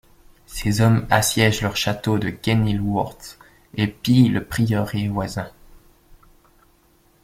Ses hommes assiègent leur château de Kenilworth et pillent le prieuré voisin.